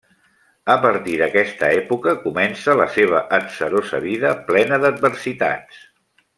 A partir d'aquesta època comença la seva atzarosa vida, plena d'adversitats.